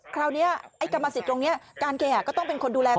คราวนี้ไอ้กรรมสิทธิ์ตรงนี้การเคหะก็ต้องเป็นคนดูแล